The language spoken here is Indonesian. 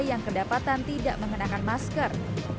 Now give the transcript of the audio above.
yang kedapatan tidak mengenakan masker